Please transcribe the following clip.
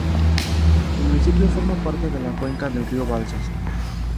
El municipio forma parte de la cuenca del río Balsas.